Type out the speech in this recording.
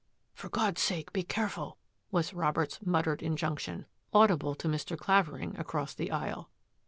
" For God's sake, be careful !" was Robert's muttered injunction, audible to Mr. Clavering across the aisle.